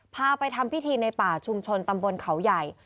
พาไปทำพิธีในป่าชุมชนตำบลเขาใหญ่